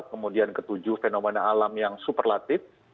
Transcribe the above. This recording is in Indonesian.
kemudian ketujuh fenomena alam yang superlatif